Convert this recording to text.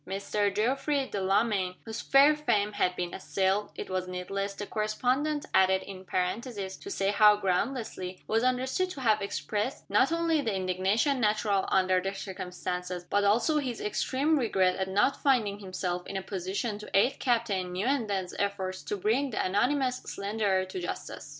Mr. Geoffrey Delamayn, whose fair fame had been assailed (it was needless, the correspondent added in parenthesis, to say how groundlessly), was understood to have expressed, not only the indignation natural under the circumstances but also his extreme regret at not finding himself in a position to aid Captain Newenden's efforts to bring the anonymous slanderer to justice.